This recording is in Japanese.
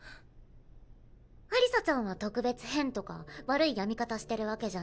アリサちゃんは特別変とか悪い病み方してるわけじゃない。